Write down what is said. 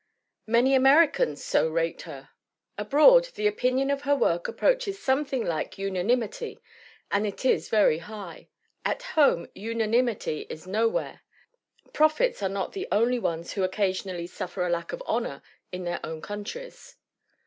Many Americans so rate her. Abroad, the opinion of her work approaches something like unanimity and it is very high. At home unanimity is nowhere. Prophets are not the only ones who occasionally suf fer a lack of honor in their own countries.